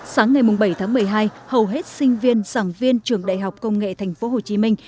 sáng ngày bảy tháng một mươi hai hầu hết sinh viên giảng viên trường đại học công nghệ thành phố hồ chí minh